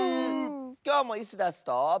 きょうもイスダスと。